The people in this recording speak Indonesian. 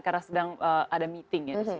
karena sedang ada meeting